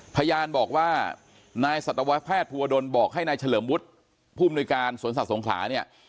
พยานบอกว่านายศตวแพทย์ภูวดนบอกให้นายเฉลิมวุฒิพนสวนสัตว์สงขลา